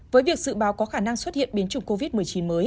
với việc dự báo có khả năng xuất hiện biến chủng covid một mươi chín mới